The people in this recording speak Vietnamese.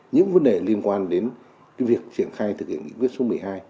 những vấn đề liên quan đến việc triển khai thực hiện nghị quyết số một mươi hai